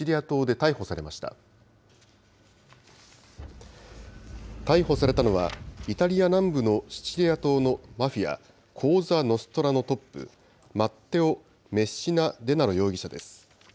逮捕されたのは、イタリア南部のシチリア島のマフィア、コーザ・ノストラのトップ、マッテオ・メッシナデナロ容疑者です。